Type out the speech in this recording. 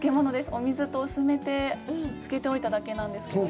お水で薄めて漬けておいただけなんですけど。